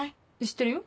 知ってるよ。